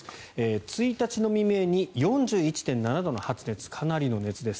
１日の未明に４１．７度の発熱かなりの熱です。